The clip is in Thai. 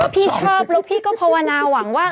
พี่ชอบแล้วพี่ก็ภาวนาหวังว่า